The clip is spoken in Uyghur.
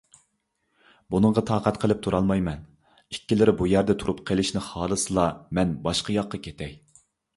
بۇنىڭغا تاقەت قىلىپ تۇرالمايمەن، ئىككىلىرى بۇ يەردە تۇرۇپ قېلىشنى خالىسىلا، مەن باشقا ياققا كېتەي!